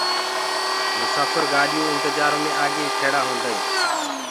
مساڦر گآڏِيو انتجآرو مي آگيئيٚ کيڙآ هونٚدآئينٚ